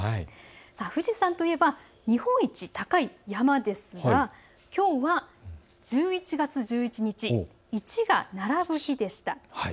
富士山というのは日本一高い山ですがきょうは１１月１１日、１が並ぶ日です。